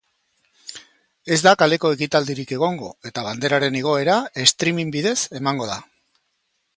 Ez da kaleko ekitaldirik egongo, eta banderaren igoera streaming bidez emango da.